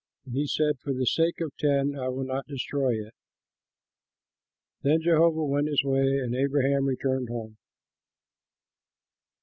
And he said, "For the sake of the ten I will not destroy it." Then Jehovah went his way, and Abraham returned home.